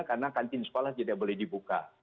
karena kantin sekolah tidak boleh dibuka